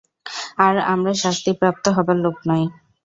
আর আমরা শাস্তিপ্রাপ্ত হবার লোক নই।